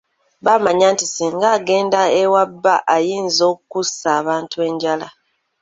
Bamanya nti singa agenda ewa bba ayinza okussa abantu enjala.